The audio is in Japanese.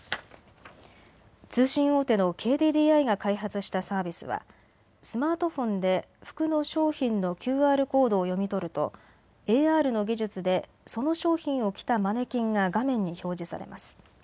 通信大手のＫＤＤＩが開発したサービスはスマートフォンで服の商品のＱＲコードを読み取るとＡＲの技術でその商品を着たマネキンが画面に表示されます。